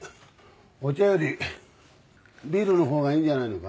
お茶よりビールのほうがいいんじゃないのか？